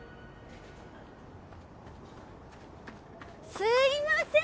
・すいません！